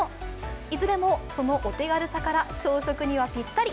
いずれも、そのお手軽さから朝食にはぴったり。